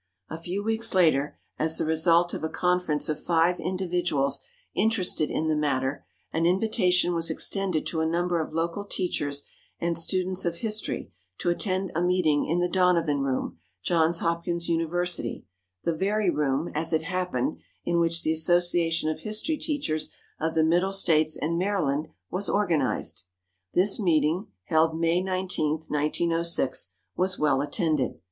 A few weeks later, as the result of a conference of five individuals interested in the matter, an invitation was extended to a number of local teachers and students of history to attend a meeting in the Donovan Room, Johns Hopkins University, the very room, as it happened, in which the Association of History Teachers of the Middle States and Maryland was organized. This meeting, held May 19, 1906, was well attended.